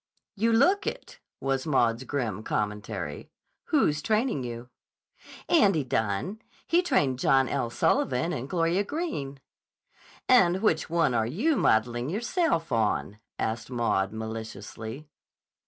"You look it," was Maud's grim commentary. "Who's training you?" "Andy Dunne. He trained John L. Sullivan and Gloria Greene." "And which one are you modeling yourself on?" asked Maud maliciously.